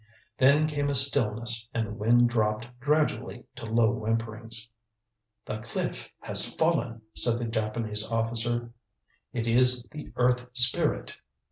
Then came a stillness and the wind dropped gradually to low whimperings. "The cliff has fallen," said the Japanese officer; "it is the Earth Spirit."